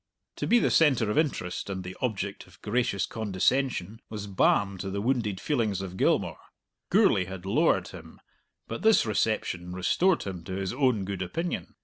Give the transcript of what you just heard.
To be the centre of interest and the object of gracious condescension was balm to the wounded feelings of Gilmour. Gourlay had lowered him, but this reception restored him to his own good opinion.